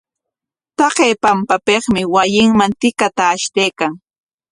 Taqay pampapikmi wasinman tikata ashtaykan.